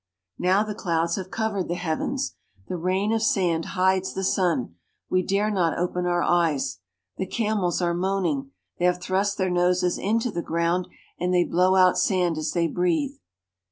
Now the clouds have covered the heavens. The rain of sand hides the sun. We dare not open our eyes. The camels are moaning ; they have thrust their noses into the ground, and they blow out sand as they breathe.